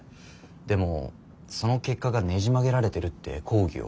でも「その結果がねじ曲げられてる」って抗議を。